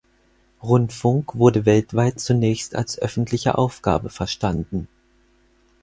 Rundfunk wurde weltweit zunächst als öffentliche Aufgabe verstanden.